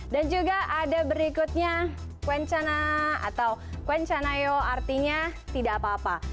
dan juga ada berikutnya quenchana atau quenchanayo artinya tidak apa apa